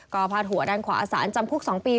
ก็พาดหัวด้านขวาสารจำคุก๒ปี